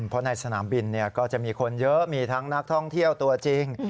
เพราะในสนามบินก็จะมีคนเยอะมีทั้งนักท่องเที่ยวตัวจริง